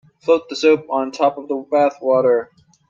Float the soap on top of the bath water.